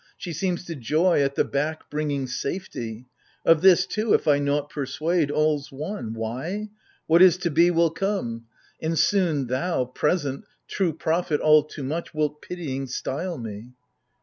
She seems to joy at the back bringing safety ! Of this, too, if I nought persuade, all's one ! Why ? What is to be will come ! And soon thou, present, " True prophet all too much " wilt pitying style me